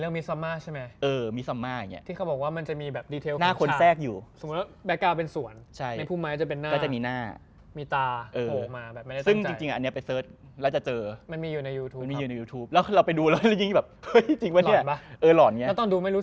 และตอนดูไม่รู้สึกเลยนะ